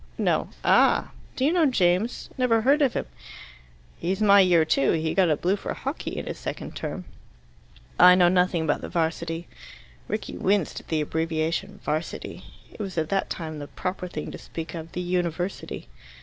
"No." "Ah." "Do you know James?" "Never heard of him." "He's my year too. He got a blue for hockey his second term." "I know nothing about the 'Varsity." Rickie winced at the abbreviation "'Varsity." It was at that time the proper thing to speak of "the University."